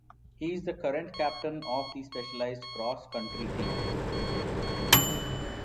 He is the current captain of the Specialized Cross Country Team.